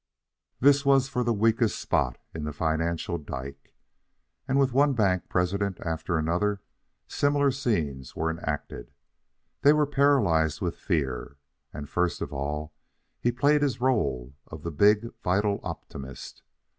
This was for the weakest spot in the financial dike. And with one bank president after another similar scenes were enacted. They were paralyzed with fear, and first of all he played his role of the big vital optimist.